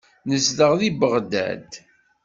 Nezdeɣ deg Beɣdad.